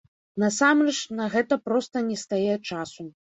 Насамрэч, на гэта проста нестае часу.